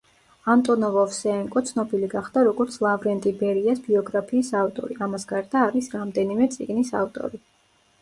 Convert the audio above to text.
ანტონოვ-ოვსეენკო ცნობილი გახდა, როგორც ლავრენტი ბერიას ბიოგრაფიის ავტორი; ამას გარდა, არის რამდენიმე წიგნის ავტორი.